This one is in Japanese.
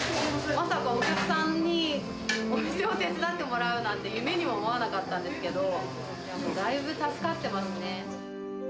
まさかお客さんにお店を手伝ってもらうなんて、夢にも思わなかったんですけど、だいぶ助かってますね。